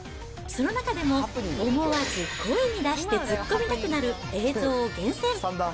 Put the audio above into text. その中でも思わず声に出してツッコみたくなる映像を厳選。